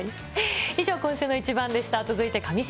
以上、今週のイチバンでした。